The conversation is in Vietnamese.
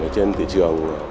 trên thị trường